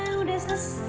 nah udah selesai